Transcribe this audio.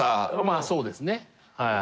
まあそうですねはい。